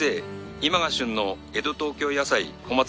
今が旬の江戸東京野菜小松菜